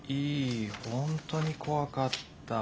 「本当に怖かったぁ」。